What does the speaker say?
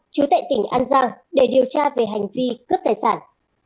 chú tại tỉnh an giang để điều tra về hành vi cướp tài sản